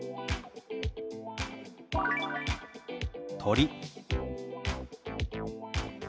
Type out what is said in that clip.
「鳥」。